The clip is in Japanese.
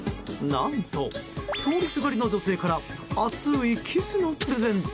何と、通りすがりの女性から熱いキスのプレゼント。